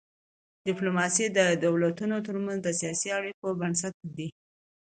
ډیپلوماسي د دولتونو ترمنځ د سیاسي اړیکو بنسټ ایږدي.